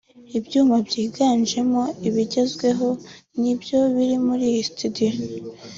Ibyuma byiganjemo ibigezweho ni byo biri muri iyi studio